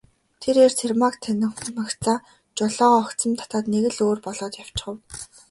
Тэр эр Цэрэгмааг танимагцаа жолоогоо огцом татаад нэг л өөр болоод явчхав.